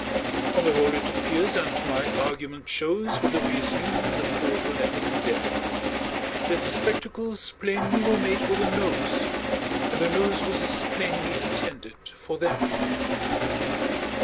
On the whole it appears, and my argument shows With a reasoning the court will never condemn, That the spectacles plainly were made for the Nose, And the Nose was as plainly intended for them.